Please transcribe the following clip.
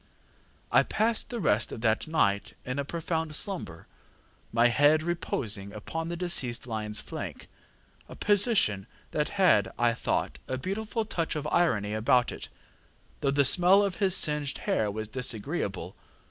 ŌĆ£I passed the rest of that night in a profound slumber, my head reposing upon the deceased lionŌĆÖs flank, a position that had, I thought, a beautiful touch of irony about it, though the smell of his singed hair was disagreeable.